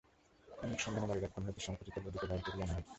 অনেক সন্ধানে বাড়ির এক কোণ হইতে সংকুচিতা বধূকে বাহির করিয়া আনা হইল।